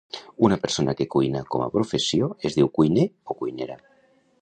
Una persona que cuina com a professió es diu cuiner o cuinera.